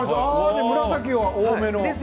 紫が多めの。